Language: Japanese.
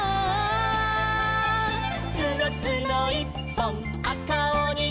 「つのつのいっぽんあかおにどん」